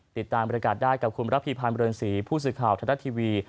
ติดตามบริการได้กับคุณระพีพันธ์เรือนศรีผู้สื่อข่าวทรัฐทีวี